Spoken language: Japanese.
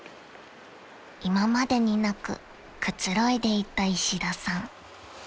［今までになくくつろいでいた石田さん］